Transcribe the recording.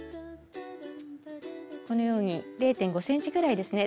このように０．５ｃｍくらいですね